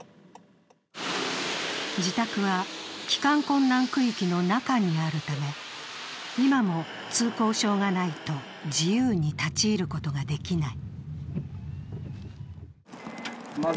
自宅は帰還困難区域の中にあるため今も通行証がないと自由に立ち入ることができない。